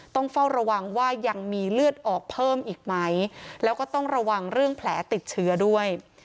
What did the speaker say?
ต้องเฝ้าระวังว่ายังมีเลือดออกเพิ่มอีกไหมแล้วก็ต้องระวังเรื่องแผลติดเชื้อด้วย